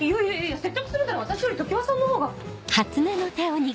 説得するなら私より常葉さんの方が。